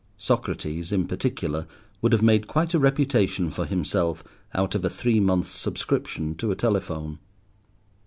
Socrates, in particular, would have made quite a reputation for himself out of a three months' subscription to a telephone.